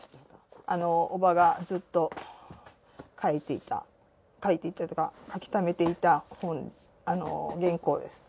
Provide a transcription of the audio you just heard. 伯母がずっと書いていた書いていたというか書きためていた本原稿です。